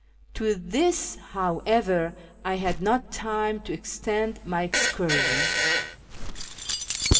To this, however, I had not time to extend my excursion.